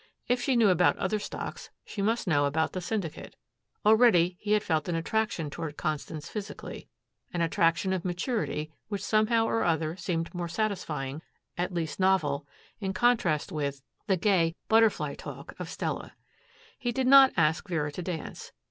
If she knew about other stocks, she must know about the Syndicate. Already he had felt an attraction toward Constance physically, an attraction of maturity which somehow or other seemed more satisfying, at least novel, in contrast with, the gay butterfly talk of Stella. He did not ask Vera to dance.